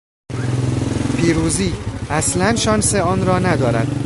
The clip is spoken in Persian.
پیروزی! اصلا شانس آن را ندارد!